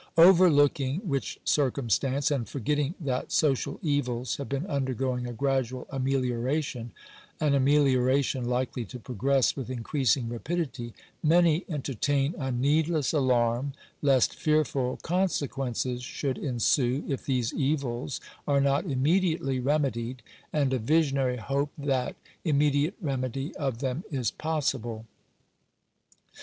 Overlooking which circumstance, and forgetting that social evils have been undergoing a gradual amelioration — an amelioration likely to progress with increas ing rapidity — many entertain a needless alarm lest fearful con sequences should ensue, if these evils are not immediately re medied, and a visionary hope that immediate remedy of them is possible.